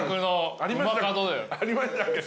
ありましたっけ？